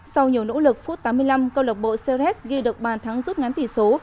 sau nhiều nỗ lực phút tám mươi năm câu lạc bộ ceres ghi được bàn thắng rút ngắn tỷ số